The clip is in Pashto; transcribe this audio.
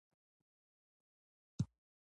د وزن زياتوالے نفسياتي مسئلې هم پېدا کوي